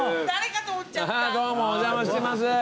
どうもお邪魔してます。